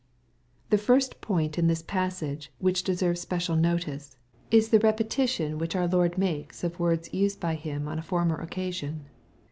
The first point in this passage which deserves special notice, is the repetition which our Lord makes of words used by Him on a former occasion.